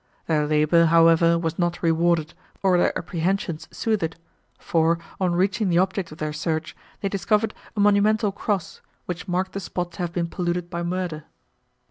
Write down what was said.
Their labour, however, was not rewarded, or their apprehensions soothed; for, on reaching the object of their search, they discovered a monumental cross, which marked the spot to have been polluted by murder.